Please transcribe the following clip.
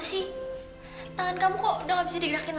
sekarang giliran kamu